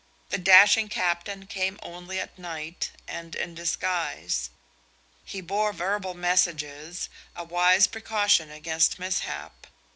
The dashing captain came only at night and in disguise. He bore verbal messages, a wise precaution against mishap.